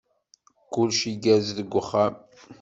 Kullec igerrez deg uxxam?